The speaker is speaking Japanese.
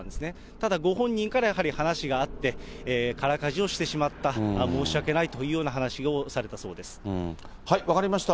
ただ、ご本人からやはり話があって、空かじをしてしまった、申し訳ないというような話をされたそ分かりました。